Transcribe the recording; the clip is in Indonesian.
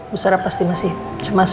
bu sara pasti masih cemas